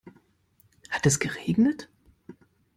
Hat es geregnet?